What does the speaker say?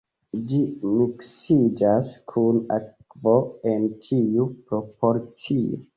Ĝi miksiĝas kun akvo en ĉiu proporcio.